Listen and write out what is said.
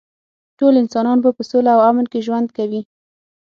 ټول انسانان به په سوله او امن کې ژوند کوي